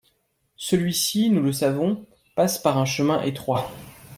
Celui-ci, nous le savons, passe par un chemin étroit.